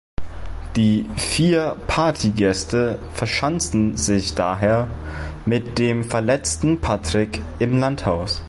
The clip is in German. Die vier Partygäste verschanzen sich daher mit dem verletzten Patrick im Landhaus.